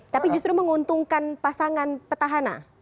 tapi justru menguntungkan pasangan petahana